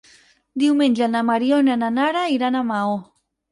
Diumenge na Mariona i na Nara iran a Maó.